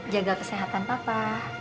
jaga kesehatan papa